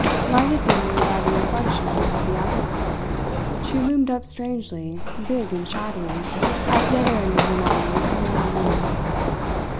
Lighted dimly by the reflection of the outer glare, she loomed up strangely big and shadowy at the other end of the long, narrow room.